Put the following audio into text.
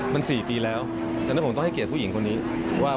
ไปเสียเงินเยอะแยะมากเก็บให้เมียในอนาคตดีกว่า